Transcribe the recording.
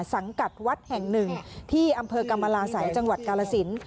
สังกัดวัดแห่งหนึ่งที่อำเภอกรรมลาศัยจังหวัดกาลสิน